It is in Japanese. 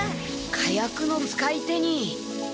火薬の使い手に。